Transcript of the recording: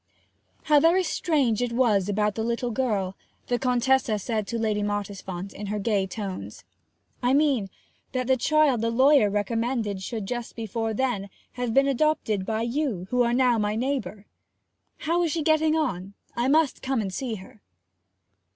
'How very strange it was about the little girl!' the Contessa said to Lady Mottisfont, in her gay tones. 'I mean, that the child the lawyer recommended should, just before then, have been adopted by you, who are now my neighbour. How is she getting on? I must come and see her.'